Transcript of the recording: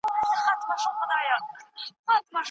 د غريبانو دعا واخلئ.